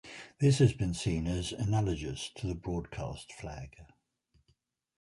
This has been seen as analogous to the broadcast flag.